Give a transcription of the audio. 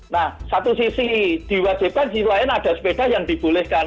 nah satu sisi diwajibkan sisi lain ada sepeda yang dibolehkan